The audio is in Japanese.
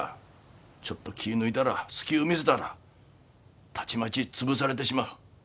ちょっと気ぃ抜いたら隙ゅう見せたらたちまち潰されてしまう。